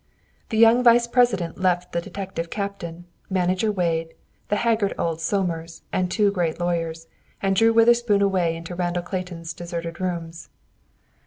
The young vice president left the detective captain, Manager Wade, the haggard old Somers, and two great lawyers, and drew Witherspoon away into Randall Clayton's deserted rooms.